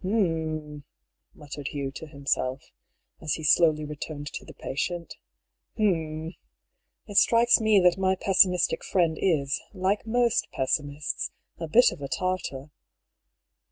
"H'm!" muttered Hugh to himself, as he slowly returned to the patient. "H'm! It strikes me that my pessimistic friend is, like most pessimists, a bit of a Tartar."